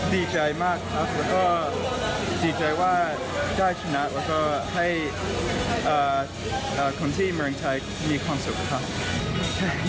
ดีใจมากครับแล้วก็ดีใจว่าได้ชนะแล้วก็ให้คนที่เมืองไทยมีความสุขครับ